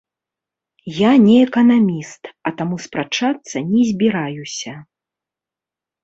Я не эканаміст, а таму спрачацца не збіраюся.